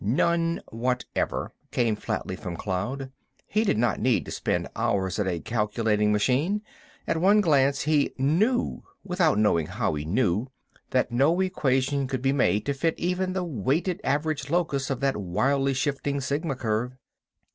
"None whatever," came flatly from Cloud. He did not need to spend hours at a calculating machine; at one glance he knew, without knowing how he knew, that no equation could be made to fit even the weighted average locus of that wildly shifting Sigma curve.